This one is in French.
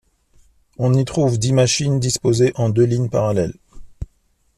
On y trouve dix machines, disposées en deux lignes parallèles.